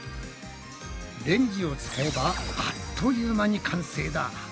レンジを使えばあっという間に完成だ！